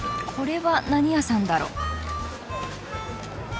これは何屋さんだろう？